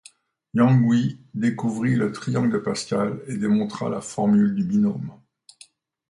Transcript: Yang Hui découvrit le triangle de Pascal, et démontra la formule du binôme.